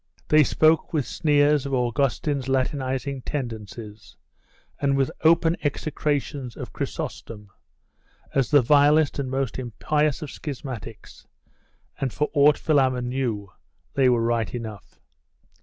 They spoke with sneers of Augustine's Latinising tendencies, and with open execrations of Chrysostom, as the vilest and most impious of schismatics; and, for aught Philammon knew, they were right enough.